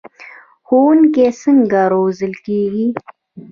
ښوونکي څنګه روزل کیږي؟